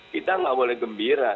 kita tidak boleh gembira